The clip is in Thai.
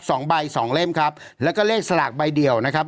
สองใบสองเล่มครับแล้วก็เลขสลากใบเดียวนะครับ